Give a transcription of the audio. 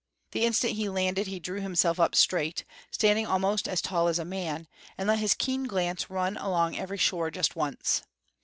The instant he landed he drew himself up straight, standing almost as tall as a man, and let his keen glance run along every shore just once.